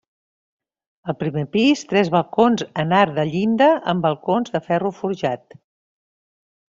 Al primer pis, tres balcons en arc de llinda amb balcons de ferro forjat.